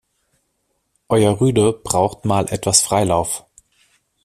Euer Rüde braucht mal etwas Freilauf.